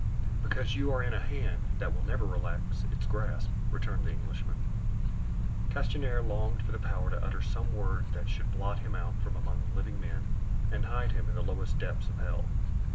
"Because you are in a hand that will never relax its grasp," returned the Englishman. Castanier longed for the power to utter some word that should blot him out from among living men and hide him in the lowest depths of hell.